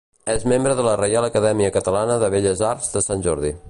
És membre de la Reial Acadèmia Catalana de Belles Arts de Sant Jordi.